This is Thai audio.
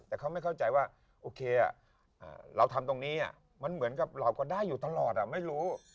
แต่เขาไม่เข้าใจว่าโอเคเราทำตรงนี้มันเหมือนกับหลอกก็ได้อยู่ตลอดไม่รู้